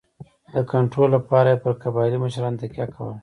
د کنټرول لپاره یې پر قبایلي مشرانو تکیه کوله.